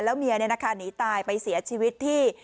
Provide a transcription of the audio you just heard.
แล้วเมียเนี่ยนะคะหนีตายไปเสียชีวิตที่